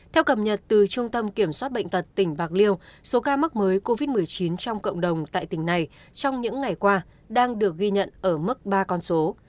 theo cập nhật từ trung tâm kiểm soát bệnh tật tỉnh bạc liêu số ca mắc mới covid một mươi chín trong cộng đồng tại tỉnh này trong những ngày qua đang được ghi nhận ở mức ba con số